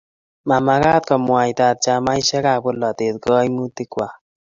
mamekat ko mwaitata chamaisiekab bolatet kaimutikwach.